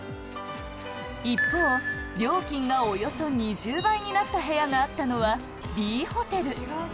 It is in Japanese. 一方、料金がおよそ２０倍になった部屋があったのは、Ｂホテル。